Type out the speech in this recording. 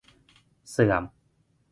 เสื่อม